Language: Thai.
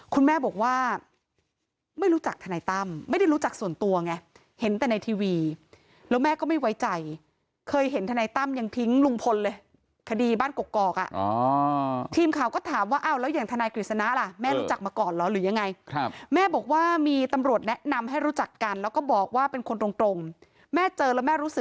คุณแม่บอกว่าไม่รู้จักทนายตั้มไม่ได้รู้จักส่วนตัวไงเห็นแต่ในทีวีแล้วแม่ก็ไม่ไว้ใจเคยเห็นทนายตั้มยังทิ้งลุงพลเลยคดีบ้านกกอกอ่ะทีมข่าวก็ถามว่าอ้าวแล้วอย่างทนายกฤษณะล่ะแม่รู้จักมาก่อนเหรอหรือยังไงแม่บอกว่ามีตำรวจแนะนำให้รู้จักกันแล้วก็บอกว่าเป็นคนตรงแม่เจอแล้วแม่รู้สึก